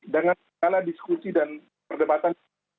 dengan segala diskusi dan perdebatan